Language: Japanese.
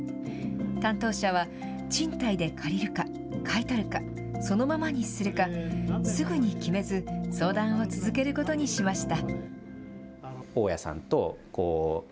担当者は賃貸で借りるか買い取るか、そのままにするかすぐに決めず相談を続けることにしました。